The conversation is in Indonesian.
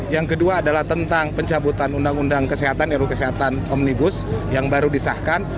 yang kedua adalah tentang pencabutan undang undang kesehatan ruu kesehatan omnibus yang baru disahkan